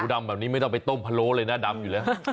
ดำแบบนี้ไม่ต้องไปต้มพะโล้เลยนะดำอยู่แล้ว